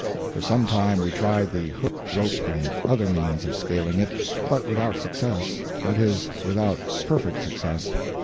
For some time we tried the hook rope and other means of scaling it, but without success that is, without perfect success.